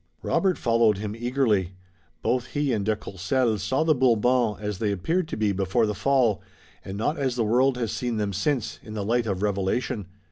Robert followed him eagerly. Both he and de Courcelles saw the Bourbons as they appeared to be before the fall, and not as the world has seen them since, in the light of revelation.